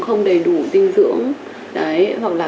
thiếu mất độ trong xương của các bạn